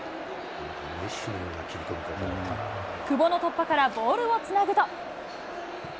久保の突破からボールをつなぐと。